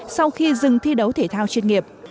sau khi dừng thi đấu thể thao chuyên nghiệp